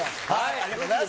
ありがとうございます。